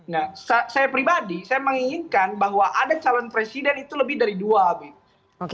nah saya pribadi saya menginginkan bahwa ada calon presiden itu lebih dari dua begitu